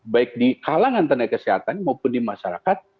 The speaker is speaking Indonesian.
baik di kalangan tenaga kesehatan maupun di masyarakat